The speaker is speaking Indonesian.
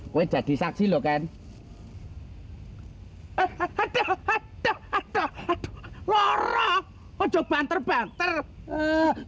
gue jadi saksi lo kan hai eh aduh aduh aduh aduh warah ojo banter banter ini